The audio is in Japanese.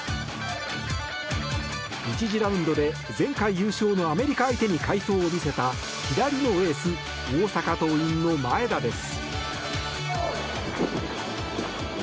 １次ラウンドで前回優勝のアメリカ相手に快投を見せた左のエース大阪桐蔭の前田です。